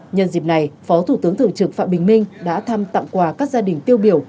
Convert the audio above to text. nhân dịp này phó thủ tướng thường trực phạm bình minh đã thăm tặng quà các gia đình tiêu biểu